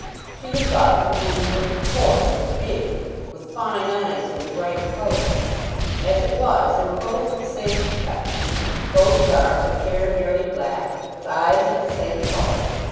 She had thought that the woman would be coarse and big, with fine eyes and a bright colour. As it was they were both of the same complexion, both dark, with hair nearly black, with eyes of the same colour.